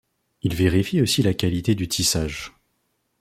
Il vérifie aussi la qualité du tissage.